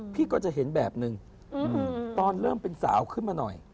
พี่ก็จะเห็นแบบนึงตอนเริ่มเป็นสาวขึ้นมาหน่อย